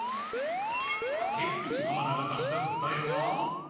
崖っ縁濱田が出した答えは？